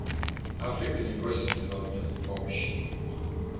Африка не просит безвозмездной помощи.